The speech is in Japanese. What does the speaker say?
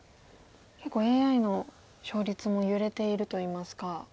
結構ＡＩの勝率も揺れているといいますか。